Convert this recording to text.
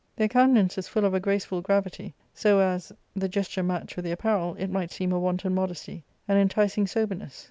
Their countenances full of a graceful gravity, so as, the gesture matched with the apparel, it might seem a wanton modesty* — ^an enticing sober ness.